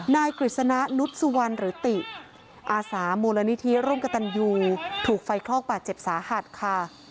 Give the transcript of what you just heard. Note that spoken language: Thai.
กฤษณะนุษย์สุวรรณหรือติอาสามูลนิธิร่วมกับตันยูถูกไฟคลอกบาดเจ็บสาหัสค่ะ